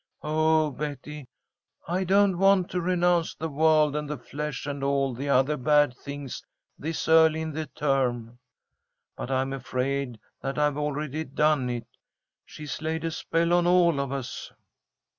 "Oh, Betty, I don't want to renounce the world and the flesh and all the other bad things this early in the term, but I'm afraid that I've already done it. She's laid a spell on all of us."